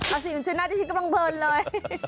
เอาสิ่งของฉันหน้าที่ฉันกำลังเพลินเลย